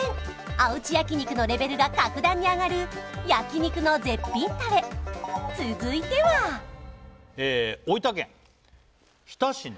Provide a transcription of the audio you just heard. おうち焼肉のレベルが格段に上がる焼肉の絶品タレ続いては大分県日田市の？